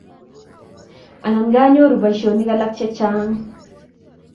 Anan kanyoru boisionik alak chechang'